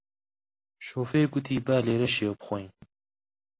شۆفێر گوتی با لێرە شێو بخۆین